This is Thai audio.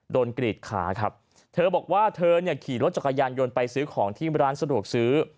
กรีดขาครับเธอบอกว่าเธอเนี่ยขี่รถจักรยานยนต์ไปซื้อของที่ร้านสะดวกซื้อ